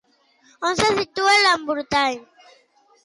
On se situa l'embolcall?